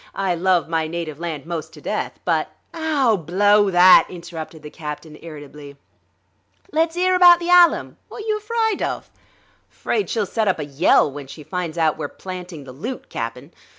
I love my native land most to death, but ..." "Ow, blow that!" interrupted the captain irritably. "Let's 'ear about the 'Allam. Wot're you afryd of?" "'Fraid she'll set up a yell when she finds out we're planting the loot, Cap'n.